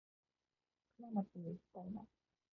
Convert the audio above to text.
金町にいきたいな